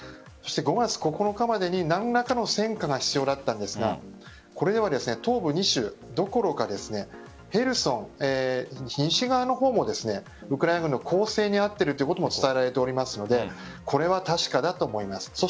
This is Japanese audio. ５月９日までに何らかの戦果が必要だったんですがこれでは東部２州どころかヘルソン、西側の方もウクライナ軍の攻勢に遭っているということも伝えられておりますのでこれは確かだと思います。